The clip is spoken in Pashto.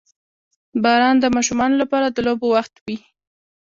• باران د ماشومانو لپاره د لوبو وخت وي.